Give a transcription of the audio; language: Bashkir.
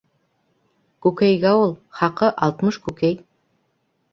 Күкәйгә ул. Хаҡы - алтмыш күкәй.